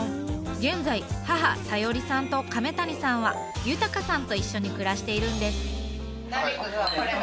現在母小夜里さんと亀谷さんは豊さんと一緒に暮らしているんです。